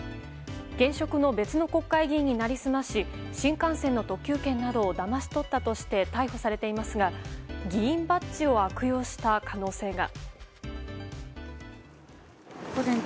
現職の別の国会議員に成り済まし新幹線の特急券などをだまし取ったとして逮捕されていますが議員バッジを悪用した可能性が。